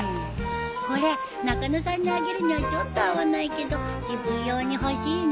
これ中野さんにあげるにはちょっと合わないけど自分用に欲しいな。